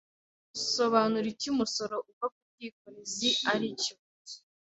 Sobanura icyo umusoro uva ku bwikorezi ari cyo.